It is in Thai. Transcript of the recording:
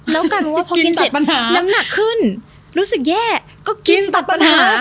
แล้วกลายเป็นว่าพอกินเสร็จปัญหาน้ำหนักขึ้นรู้สึกแย่ก็กินตัดปัญหา